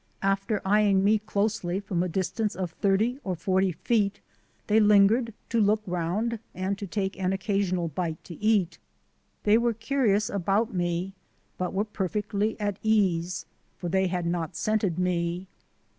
After eying me closely from a distance of thirty or forty feet they lingered to look round and to take an occasional bite to eat. They were curious about me, but were perfectly at ease, for they had not scented me.